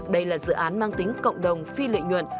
đây là dự án mang tính cộng đồng phi lợi nhuận